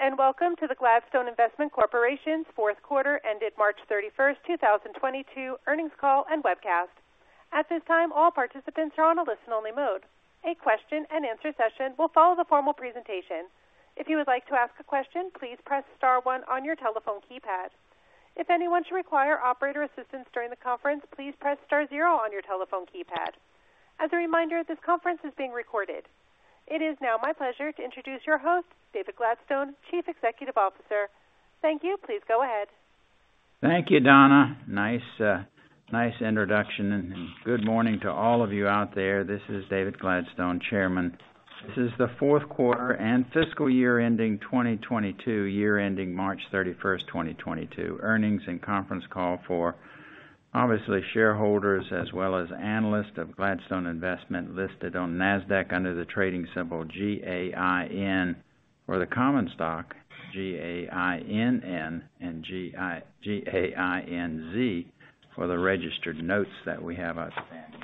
Greetings, and welcome to the Gladstone Investment Corporation's fourth quarter ended March 31, 2022 earnings call and webcast. At this time, all participants are on a listen only mode. A question and answer session will follow the formal presentation. If you would like to ask a question, please press star one on your telephone keypad. If anyone should require operator assistance during the conference, please press star zero on your telephone keypad. As a reminder, this conference is being recorded. It is now my pleasure to introduce your host, David Gladstone, Chief Executive Officer. Thank you. Please go ahead. Thank you, Donna. Nice, nice introduction, and good morning to all of you out there. This is David Gladstone, Chairman. This is the fourth quarter and fiscal year ending 2022, year ending March 31, 2022. Earnings and conference call for obviously shareholders as well as analysts of Gladstone Investment listed on Nasdaq under the trading symbol GAIN for the common stock, GAINN and GAINZ for the registered notes that we have outstanding.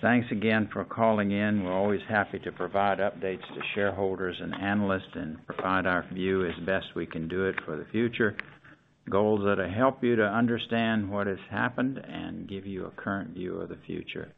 Thanks again for calling in. We're always happy to provide updates to shareholders and analysts and provide our view as best we can do it for the future. Goals that'll help you to understand what has happened and give you a current view of the future.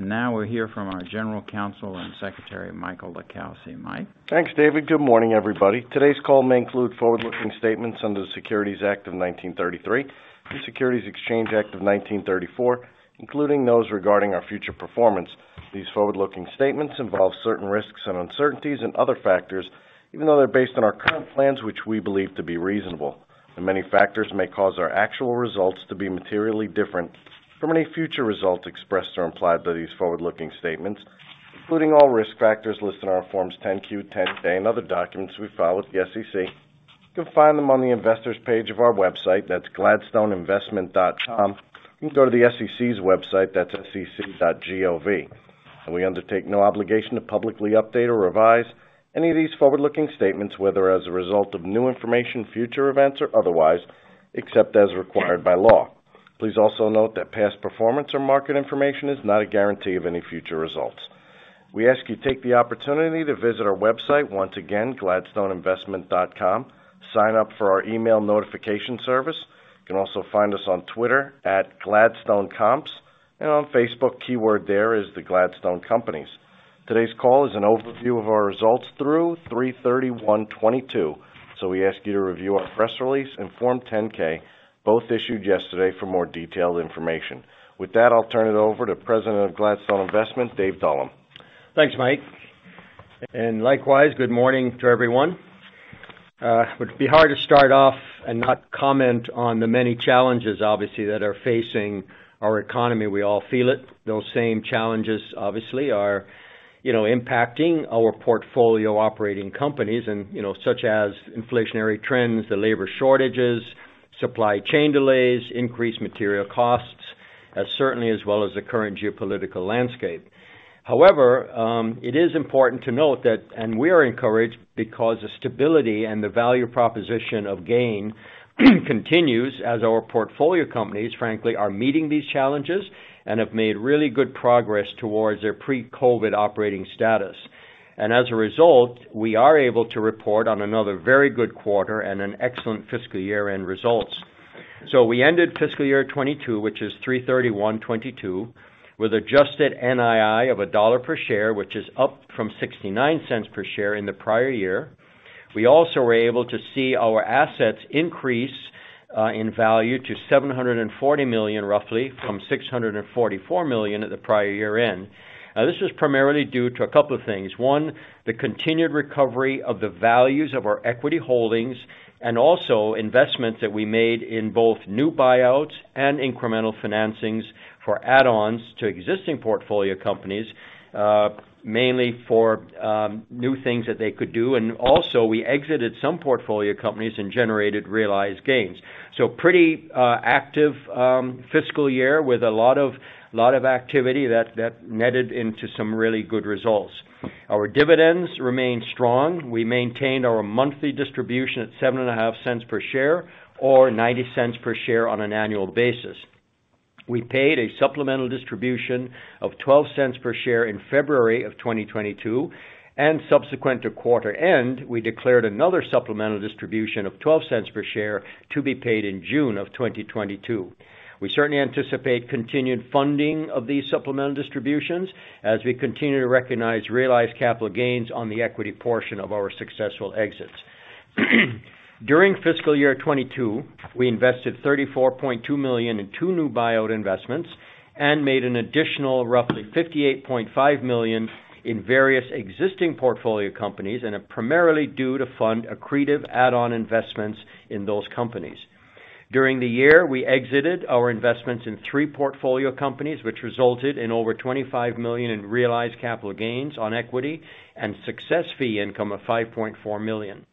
Now we'll hear from our General Counsel and Secretary, Michael LiCalsi. Mike? Thanks, David. Good morning, everybody. Today's call may include forward-looking statements under the Securities Act of 1933 and Securities Exchange Act of 1934, including those regarding our future performance. These forward-looking statements involve certain risks and uncertainties and other factors, even though they're based on our current plans, which we believe to be reasonable. Many factors may cause our actual results to be materially different from any future results expressed or implied by these forward-looking statements, including all risk factors listed in our Forms 10-Q, 10-K, and other documents we file with the SEC. You can find them on the investors page of our website, that's gladstoneinvestment.com. You can go to the SEC's website, that's sec.gov. We undertake no obligation to publicly update or revise any of these forward-looking statements, whether as a result of new information, future events, or otherwise, except as required by law. Please also note that past performance or market information is not a guarantee of any future results. We ask you take the opportunity to visit our website once again, gladstoneinvestment.com. Sign up for our email notification service. You can also find us on Twitter, @GladstoneComps, and on Facebook, keyword there is the Gladstone Companies. Today's call is an overview of our results through 3/31/2022. We ask you to review our press release and Form 10-K, both issued yesterday for more detailed information. With that, I'll turn it over to President of Gladstone Investment, Dave Dullum. Thanks, Mike. Likewise, good morning to everyone. It would be hard to start off and not comment on the many challenges, obviously, that are facing our economy. We all feel it. Those same challenges, obviously, are, you know, impacting our portfolio operating companies and, you know, such as inflationary trends, the labor shortages, supply chain delays, increased material costs, certainly as well as the current geopolitical landscape. However, it is important to note that, and we are encouraged because the stability and the value proposition of GAIN continues as our portfolio companies, frankly, are meeting these challenges and have made really good progress towards their pre-COVID operating status. As a result, we are able to report on another very good quarter and an excellent fiscal year-end results. We ended fiscal year 2022, which is 3/31/2022, with adjusted NII of $1 per share, which is up from $.069 per share in the prior year. We also were able to see our assets increase in value to $740 million, roughly, from $644 million at the prior year end. This was primarily due to a couple of things. One, the continued recovery of the values of our equity holdings, and also investments that we made in both new buyouts and incremental financings for add-ons to existing portfolio companies, mainly for new things that they could do. We exited some portfolio companies and generated realized gains. Pretty active fiscal year with a lot of activity that netted into some really good results. Our dividends remained strong. We maintained our monthly distribution at $0.075 per share, or $0.90 per share on an annual basis. We paid a supplemental distribution of $0.12 per share in February of 2022, and subsequent to quarter end, we declared another supplemental distribution of $0.12 per share to be paid in June of 2022. We certainly anticipate continued funding of these supplemental distributions as we continue to recognize realized capital gains on the equity portion of our successful exits. During fiscal year 2022, we invested $34.2 million in two new buyout investments and made an additional roughly $58.5 million in various existing portfolio companies and are primarily due to fund accretive add-on investments in those companies. During the year, we exited our investments in three portfolio companies, which resulted in over $25 million in realized capital gains on equity and success fee income of $5.4 million.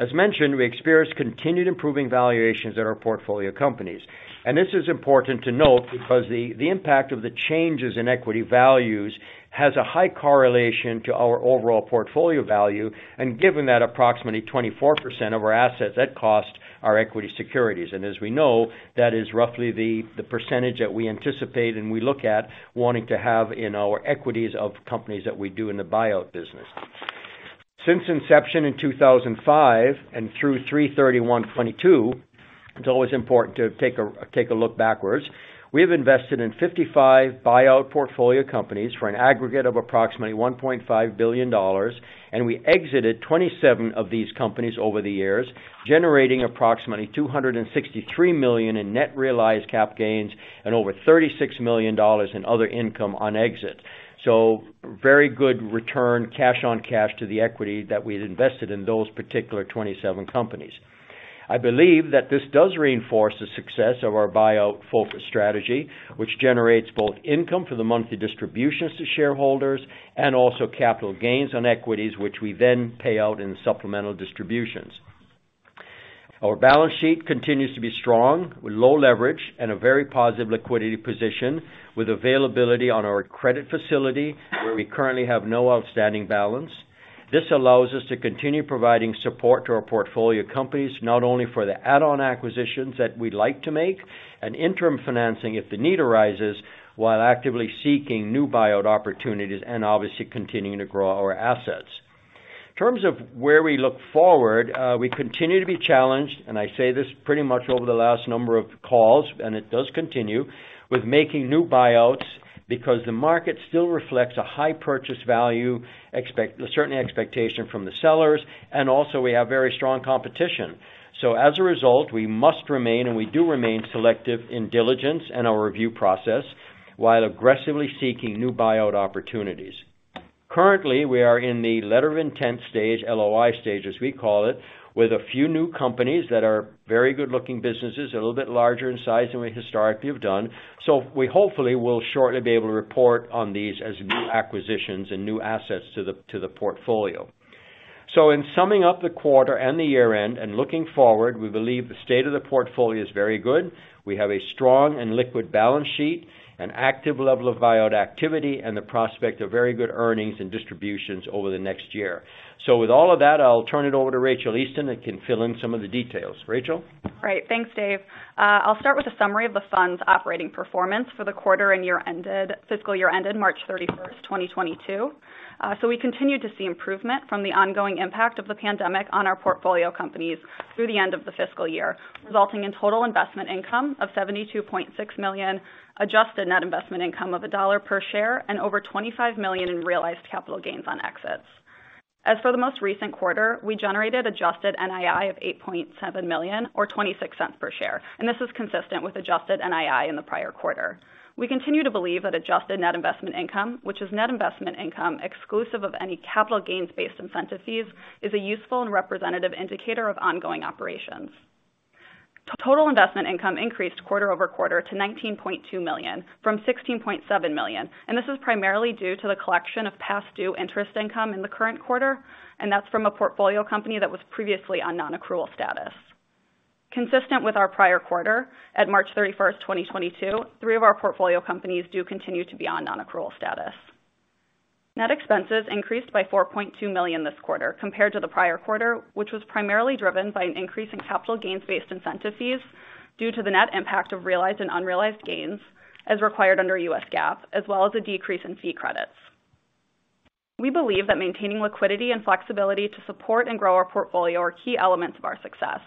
As mentioned, we experienced continued improving valuations at our portfolio companies. This is important to note because the impact of the changes in equity values has a high correlation to our overall portfolio value. Given that approximately 24% of our assets at cost are equity securities, and as we know, that is roughly the percentage that we anticipate and we look at wanting to have in our equities of companies that we do in the buyout business. Since inception in 2005 and through 3/31/2022, it's always important to take a look backwards. We've invested in 55 buyout portfolio companies for an aggregate of approximately $1.5 billion. We exited 27 of these companies over the years, generating approximately $263 million in net realized capital gains and over $36 million in other income on exit. Very good return cash on cash to the equity that we've invested in those particular 27 companies. I believe that this does reinforce the success of our buyout focus strategy, which generates both income for the monthly distributions to shareholders and also capital gains on equities, which we then pay out in supplemental distributions. Our balance sheet continues to be strong, with low leverage and a very positive liquidity position, with availability on our credit facility, where we currently have no outstanding balance. This allows us to continue providing support to our portfolio companies, not only for the add-on acquisitions that we'd like to make and interim financing if the need arises, while actively seeking new buyout opportunities and obviously continuing to grow our assets. In terms of where we look forward, we continue to be challenged, and I say this pretty much over the last number of calls, and it does continue with making new buyouts because the market still reflects high purchase valuations, certain expectations from the sellers. We have very strong competition. As a result, we must remain, and we do remain selective in diligence and our review process while aggressively seeking new buyout opportunities. Currently, we are in the letter of intent stage, LOI stage, as we call it, with a few new companies that are very good-looking businesses, a little bit larger in size than we historically have done. We hopefully will shortly be able to report on these as new acquisitions and new assets to the portfolio. In summing up the quarter and the year-end and looking forward, we believe the state of the portfolio is very good. We have a strong and liquid balance sheet, an active level of buyout activity, and the prospect of very good earnings and distributions over the next year. With all of that, I'll turn it over to Rachael Easton, that can fill in some of the details. Rachael. Right. Thanks, Dave. I'll start with a summary of the fund's operating performance for the quarter and year fiscal year ended March 31, 2022. We continued to see improvement from the ongoing impact of the pandemic on our portfolio companies through the end of the fiscal year, resulting in total investment income of $72.6 million, adjusted net investment income of $1 per share and over $25 million in realized capital gains on exits. As for the most recent quarter, we generated adjusted NII of $8.7 million or $0.26 per share. This is consistent with adjusted NII in the prior quarter. We continue to believe that adjusted net investment income, which is net investment income exclusive of any capital gains-based incentive fees, is a useful and representative indicator of ongoing operations. Total investment income increased quarter-over-quarter to $19.2 million from $16.7 million. This is primarily due to the collection of past due interest income in the current quarter, and that's from a portfolio company that was previously on non-accrual status. Consistent with our prior quarter, at March 31, 2022, three of our portfolio companies do continue to be on non-accrual status. Net expenses increased by $4.2 million this quarter compared to the prior quarter, which was primarily driven by an increase in capital gains-based incentive fees due to the net impact of realized and unrealized gains as required under U.S. GAAP, as well as a decrease in fee credits. We believe that maintaining liquidity and flexibility to support and grow our portfolio are key elements of our success.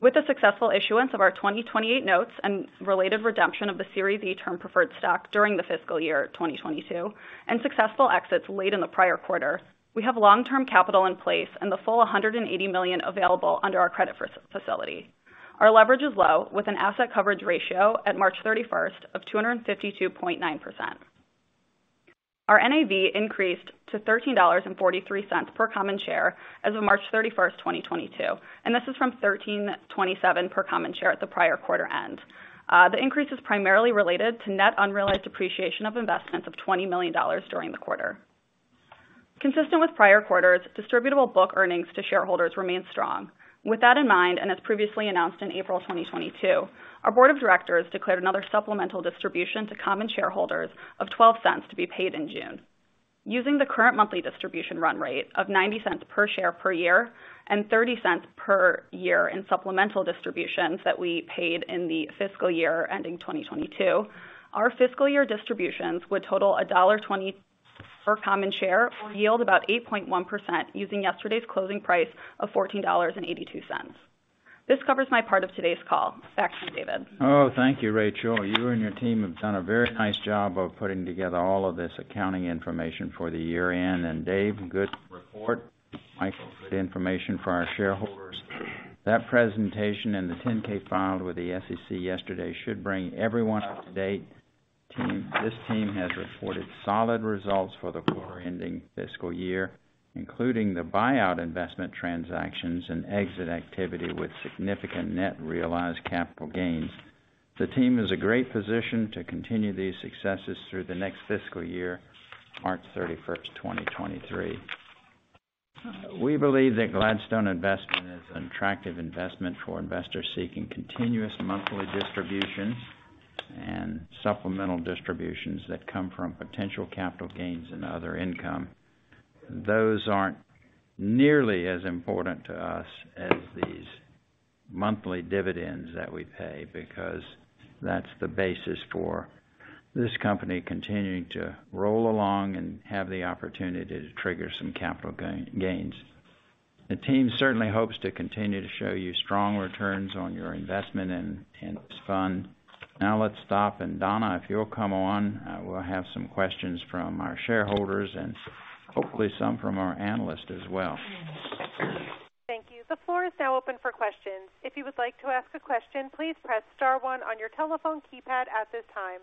With the successful issuance of our 2028 Notes and related redemption of the Series E Term Preferred Stock during the fiscal year 2022 and successful exits late in the prior quarter. We have long-term capital in place and the full $180 million available under our credit facility. Our leverage is low, with an asset coverage ratio at March 31 of 252.9%. Our NAV increased to $13.43 per common share as of March 31, 2022, and this is from $13.27 per common share at the prior quarter end. The increase is primarily related to net unrealized appreciation of investments of $20 million during the quarter. Consistent with prior quarters, distributable book earnings to shareholders remain strong. With that in mind, as previously announced in April 2022, our board of directors declared another supplemental distribution to common shareholders of $0.12 to be paid in June. Using the current monthly distribution run rate of $0.90 per share per year and $0.30 per year in supplemental distributions that we paid in the fiscal year ending 2022, our fiscal year distributions would total $1.20 per common share or yield about 8.1% using yesterday's closing price of $14.82. This covers my part of today's call. Back to you, David. Oh, thank you, Rachel. You and your team have done a very nice job of putting together all of this accounting information for the year-end. Dave, good report. Michael, good information for our shareholders. That presentation and the 10-K filed with the SEC yesterday should bring everyone up to date. Team, this team has reported solid results for the quarter ending fiscal year, including the buyout investment transactions and exit activity with significant net realized capital gains. The team is a great position to continue these successes through the next fiscal year, March 31st, 2023. We believe that Gladstone Investment is an attractive investment for investors seeking continuous monthly distributions and supplemental distributions that come from potential capital gains and other income. Those aren't nearly as important to us as these monthly dividends that we pay because that's the basis for this company continuing to roll along and have the opportunity to trigger some capital gains. The team certainly hopes to continue to show you strong returns on your investment in this fund. Now let's stop. Donna, if you'll come on, we'll have some questions from our shareholders and hopefully some from our analysts as well. Thank you. The floor is now open for questions. If you would like to ask a question, please press star one on your telephone keypad at this time.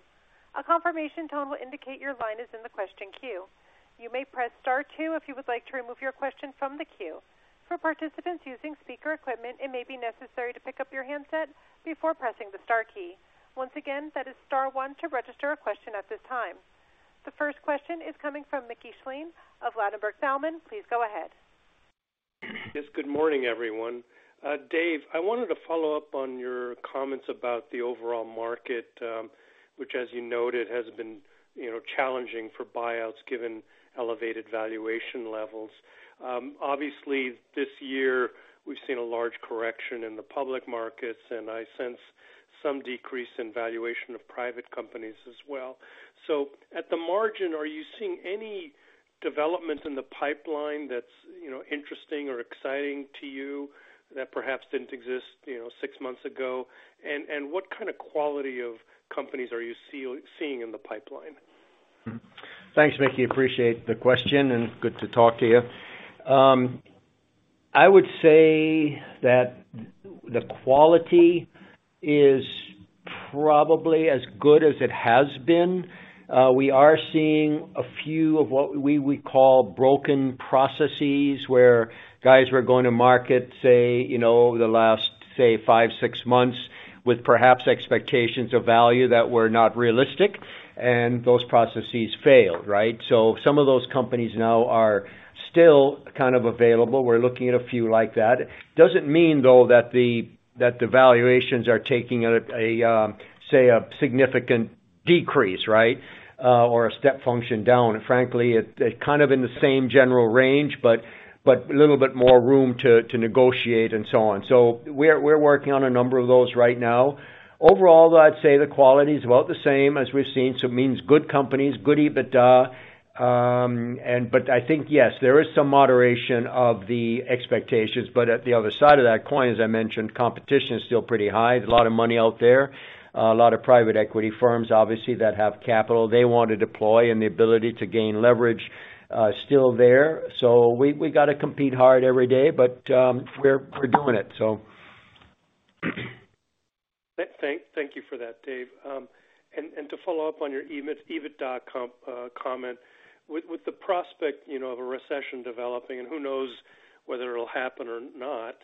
A confirmation tone will indicate your line is in the question queue. You may press star two if you would like to remove your question from the queue. For participants using speaker equipment, it may be necessary to pick up your handset before pressing the star key. Once again, that is star one to register a question at this time. The first question is coming from Mickey Schleien of Ladenburg Thalmann. Please go ahead. Yes, good morning, everyone. Dave, I wanted to follow up on your comments about the overall market, which as you noted, has been, you know, challenging for buyouts given elevated valuation levels. Obviously this year we've seen a large correction in the public markets, and I sense some decrease in valuation of private companies as well. At the margin, are you seeing any developments in the pipeline that's, you know, interesting or exciting to you that perhaps didn't exist, you know, six months ago? What kind of quality of companies are you seeing in the pipeline? Thanks, Mickey. Appreciate the question, and good to talk to you. I would say that the quality is probably as good as it has been. We are seeing a few of what we would call broken processes where guys were going to market say, you know, the last, say, five, six months with perhaps expectations of value that were not realistic and those processes failed, right? Some of those companies now are still kind of available. We're looking at a few like that. Doesn't mean though that the valuations are taking a significant decrease, right, or a step function down. Frankly it kind of in the same general range, but a little bit more room to negotiate and so on. We're working on a number of those right now. Overall, though, I'd say the quality's about the same as we've seen, so it means good companies, good EBITDA. I think, yes, there is some moderation of the expectations, but at the other side of that coin, as I mentioned, competition is still pretty high. There's a lot of money out there, a lot of private equity firms obviously that have capital they want to deploy and the ability to gain leverage, still there. We gotta compete hard every day, but we're doing it. Thank you for that, Dave. And to follow up on your EBITDA comment, with the prospect, you know, of a recession developing and who knows whether it'll happen or not,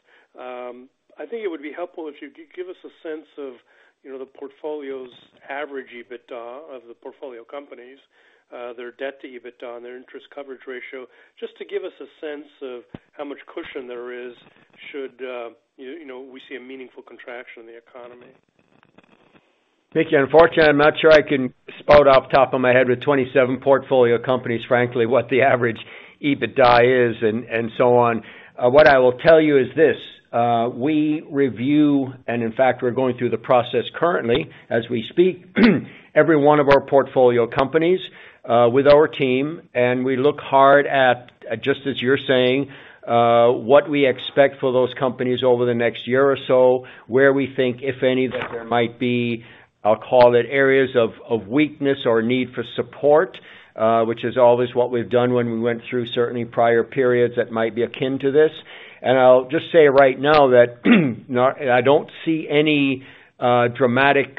I think it would be helpful if you give us a sense of, you know, the portfolio's average EBITDA of the portfolio companies, their debt to EBITDA and their interest coverage ratio, just to give us a sense of how much cushion there is should you know we see a meaningful contraction in the economy. Mickey, unfortunately I'm not sure I can spout off the top of my head with 27 portfolio companies, frankly, what the average EBITDA is and so on. What I will tell you is this, we review and in fact we're going through the process currently as we speak, every one of our portfolio companies, with our team, and we look hard at, just as you're saying, what we expect for those companies over the next year or so, where we think if any that there might be, I'll call it areas of weakness or need for support, which is always what we've done when we went through certainly prior periods that might be akin to this. I'll just say right now that I don't see any dramatic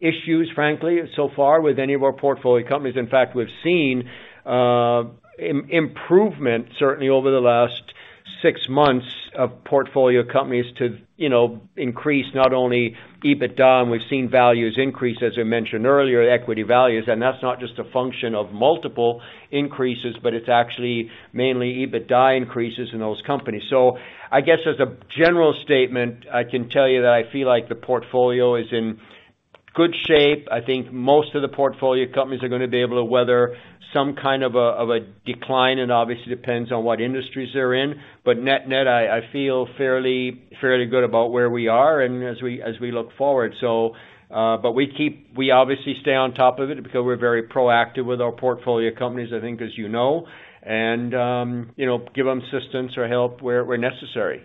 issues frankly so far with any of our portfolio companies. In fact, we've seen improvement certainly over the last six months of portfolio companies to, you know, increase not only EBITDA, and we've seen values increase as I mentioned earlier, equity values, and that's not just a function of multiple increases, but it's actually mainly EBITDA increases in those companies. I guess as a general statement, I can tell you that I feel like the portfolio is in good shape. I think most of the portfolio companies are gonna be able to weather some kind of a decline. It obviously depends on what industries they're in. Net-net I feel fairly good about where we are and as we look forward. We keep. We obviously stay on top of it because we're very proactive with our portfolio companies, I think as you know, and, you know, give them assistance or help where necessary.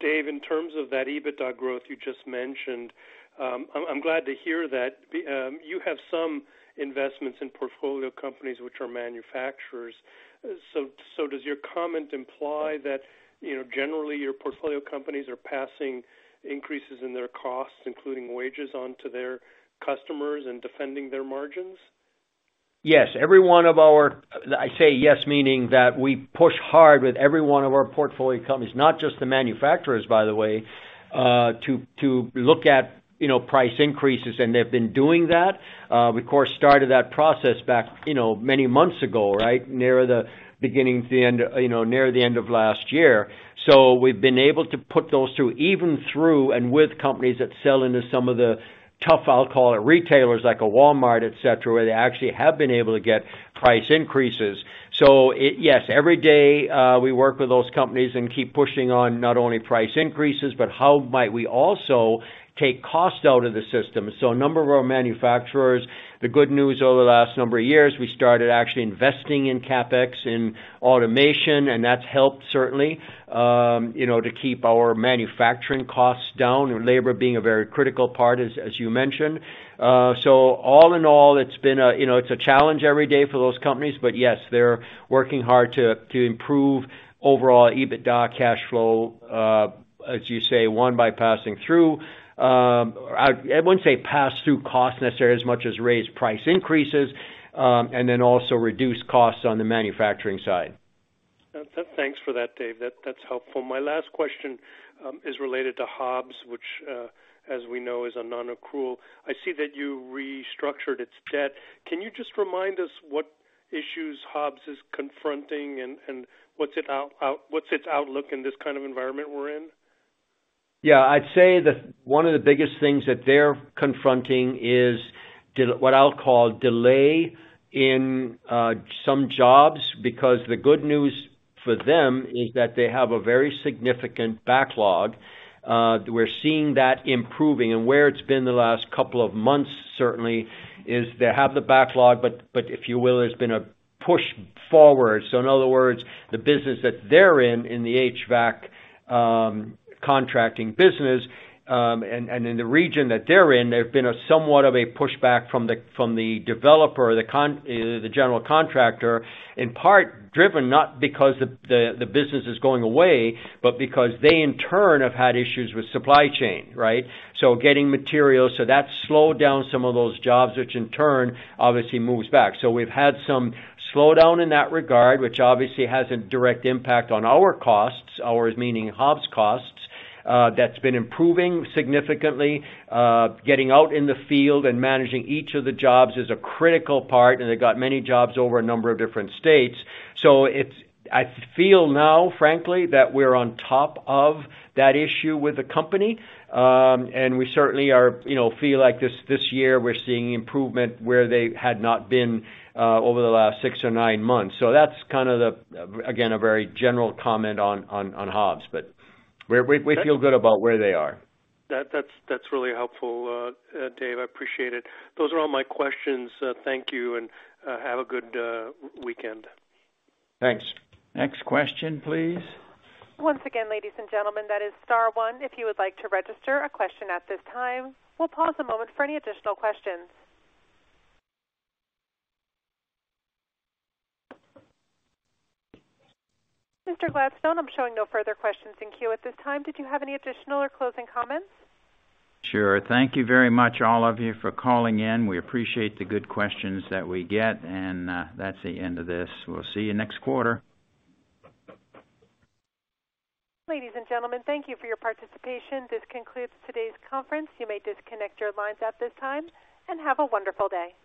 Dave, in terms of that EBITDA growth you just mentioned, I'm glad to hear that. You have some investments in portfolio companies which are manufacturers. Does your comment imply that, you know, generally your portfolio companies are passing increases in their costs, including wages onto their customers and defending their margins? Yes, I say yes, meaning that we push hard with every one of our portfolio companies, not just the manufacturers, by the way, to look at, you know, price increases, and they've been doing that. We, of course, started that process back, you know, many months ago, right? Near the beginning or the end, you know, near the end of last year. We've been able to put those through, even through and with companies that sell into some of the tough, I'll call it, retailers like a Walmart, et cetera, where they actually have been able to get price increases. Yes, every day, we work with those companies and keep pushing on not only price increases, but how might we also take cost out of the system. A number of our manufacturers, the good news over the last number of years, we started actually investing in CapEx, in automation, and that's helped certainly, you know, to keep our manufacturing costs down, and labor being a very critical part, as you mentioned. All in all, it's been a you know, it's a challenge every day for those companies. But yes, they're working hard to improve overall EBITDA cash flow, as you say, by passing through. I wouldn't say pass through costs necessarily as much as raise price increases, and then also reduce costs on the manufacturing side. Thanks for that, Dave. That's helpful. My last question is related to Hobbs, which, as we know, is a non-accrual. I see that you restructured its debt. Can you just remind us what issues Hobbs is confronting and what's its outlook in this kind of environment we're in? Yeah. I'd say that one of the biggest things that they're confronting is what I'll call delay in some jobs, because the good news for them is that they have a very significant backlog. We're seeing that improving. Where it's been the last couple of months certainly is they have the backlog, but if you will, there's been a push forward. In other words, the business that they're in the HVAC contracting business, and in the region that they're in, there have been somewhat of a push back from the developer, the general contractor, in part driven not because the business is going away, but because they in turn have had issues with supply chain, right? Getting materials. That slowed down some of those jobs, which in turn obviously moves back. We've had some slowdown in that regard, which obviously has a direct impact on our costs, meaning Hobbs costs. That's been improving significantly. Getting out in the field and managing each of the jobs is a critical part, and they've got many jobs over a number of different states. I feel now, frankly, that we're on top of that issue with the company. We certainly are, you know, feel like this year we're seeing improvement where they had not been over the last six or nine months. That's kind of the, again, a very general comment on Hobbs. We feel good about where they are. That's really helpful, Dave, I appreciate it. Those are all my questions. Thank you, and have a good weekend. Thanks. Next question, please. Once again, ladies and gentlemen, that is star one if you would like to register a question at this time. We'll pause a moment for any additional questions. Mr. Gladstone, I'm showing no further questions in queue at this time. Did you have any additional or closing comments? Sure. Thank you very much all of you for calling in. We appreciate the good questions that we get and, that's the end of this. We'll see you next quarter. Ladies and gentlemen, thank you for your participation. This concludes today's conference. You may disconnect your lines at this time, and have a wonderful day.